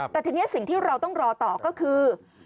แต่ทีนี้สิ่งที่เราต้องรอต่อก็คือ